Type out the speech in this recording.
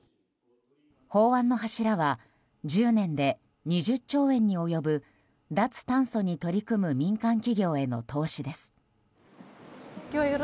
法案の柱は１０年で２０兆円に及ぶ脱炭素に取り組む民間企業への投資です。